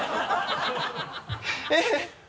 えっ！